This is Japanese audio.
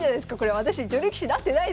私女流棋士になってないですからね